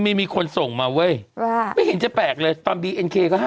มันเหมือนอ่ะ